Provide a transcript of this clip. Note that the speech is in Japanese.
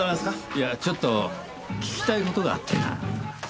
いやあちょっと聞きたい事があってな。